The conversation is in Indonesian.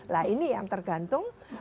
nah ini yang tergantung